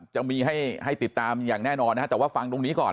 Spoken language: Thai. จะมีให้ติดตามอย่างแน่นอนนะฮะแต่ว่าฟังตรงนี้ก่อน